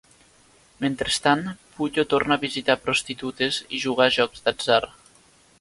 Mentrestant, Pullo torna a visitar prostitutes i jugar a jocs d'atzar.